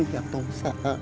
ya nggak usah